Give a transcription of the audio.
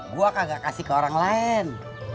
gue kagak kasih ke orang lain